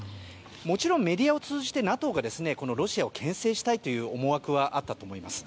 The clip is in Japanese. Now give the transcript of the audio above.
もちろん、メディアを通じてＮＡＴＯがロシアを牽制したい思惑はあったと思います。